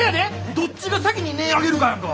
どっちが先に音ぇ上げるかやんか。